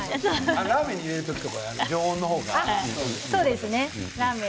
ラーメンに入れる時は常温の方が。